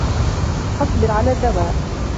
فَاصْبِرْ عَلَى الدَّوَاءِ